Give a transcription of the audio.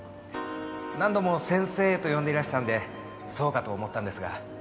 何度も「先生」と呼んでいらしたのでそうかと思ったんですが。